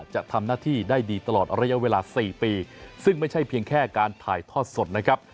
จะทำหน้าที่ได้ดีตลอดระยะเวลา๔ปีซึ่งไม่ใช่เพียงแค่การถ่ายทอดสดนะครับ